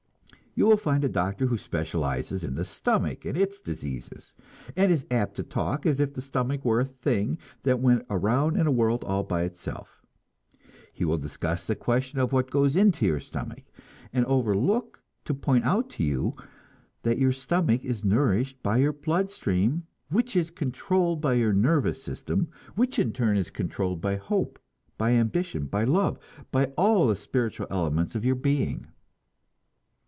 You will find a doctor who specializes in the stomach and its diseases, and is apt to talk as if the stomach were a thing that went around in the world all by itself. He will discuss the question of what goes into your stomach, and overlook to point out to you that your stomach is nourished by your blood stream, which is controlled by your nervous system, which in turn is controlled by hope, by ambition, by love, by all the spiritual elements of your being.